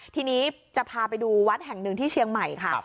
ทีนี้จะพาไปดูวัดแห่งหนึ่งที่เชียงใหม่ค่ะ